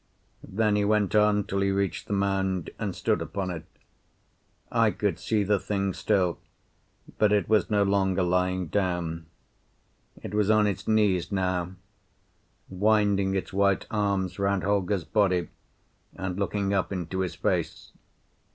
Then he went on till he reached the mound and stood upon it. I could see the Thing still, but it was no longer lying down; it was on its knees now, winding its white arms round Holger's body and looking up into his face.